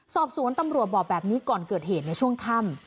สอบสวนตำรวจบอกแบบนี้ก่อนเกิดเหตุในช่วงค่ำ